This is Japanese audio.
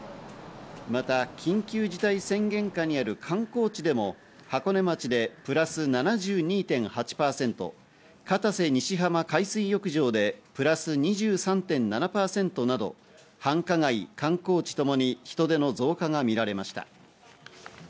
また緊急事態宣言下にある観光地でも箱根町でプラス７２．８％、片瀬西浜海水浴場でプラス２３．７％など繁華街・観光地ともに人出の増加が見られました。